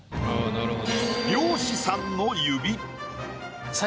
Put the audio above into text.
なるほど。